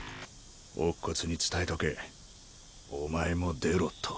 乙骨に伝えとけお前も出ろと。